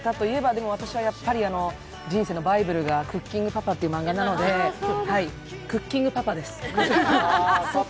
私はやっぱり人生のバイブルが「クッキングパパ」というマンガなので、クッキングパパです。